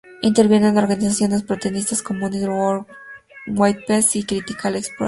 Interviene en organizaciones progresistas como "United for Justice with Peace" y "Critical Explorers".